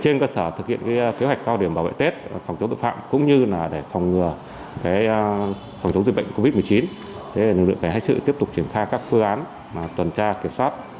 trên cơ sở thực hiện kế hoạch cao điểm bảo vệ tết phòng chống bệnh phạm cũng như phòng ngừa phòng chống dịch bệnh covid một mươi chín